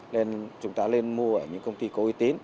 nên chúng ta lên mua ở những công ty có uy tín